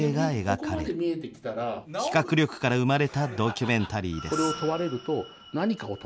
企画力から生まれたドキュメンタリーです。